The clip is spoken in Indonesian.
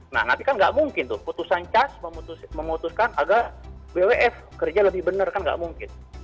nah nanti kan nggak mungkin tuh putusan cas memutuskan agar bwf kerja lebih benar kan nggak mungkin